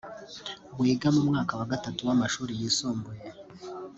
wiga mu mwaka wa Gatatu w’amashuri yisumbuye